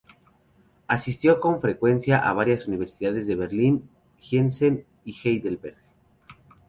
Asistió con frecuencia a varias universidades de Berlín, Giessen y Heidelberg.